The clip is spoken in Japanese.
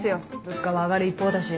物価は上がる一方だし。